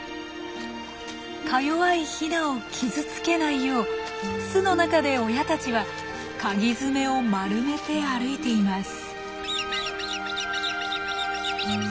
かよわいヒナを傷つけないよう巣の中で親たちはかぎ爪を丸めて歩いています。